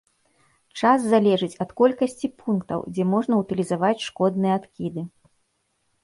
Час залежыць ад колькасці пунктаў, дзе можна ўтылізаваць шкодныя адкіды.